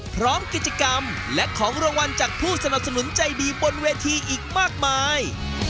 พร้อมกิจกรรมและของรางวัลจากผู้สนับสนุนใจดีบนเวทีอีกมากมาย